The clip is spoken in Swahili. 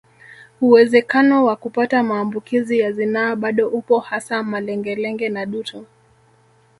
Uwezekano wa kupata maambukizi ya zinaa bado upo hasa malengelenge na dutu